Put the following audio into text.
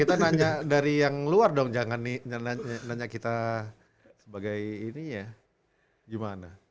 kita nanya dari yang luar dong jangan nanya kita sebagai ini ya gimana